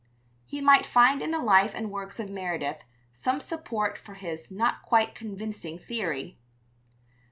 He might find in the life and works of Meredith some support for his not quite convincing theory.